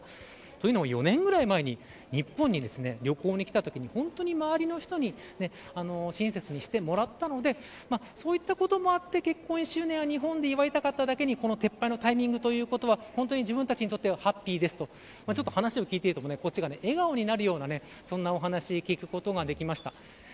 というのも４年ぐらい前に日本に旅行に来たときに本当に周りの人に親切にしてもらったのでそういったこともあって結婚１周年は日本で祝いたかっただけにこの撤廃のタイミングということは自分たちにとってはハッピーですと話を聞いていてもこっちが笑顔になるようなそんなお話を聞くことができました。